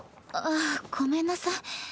あっごめんなさい。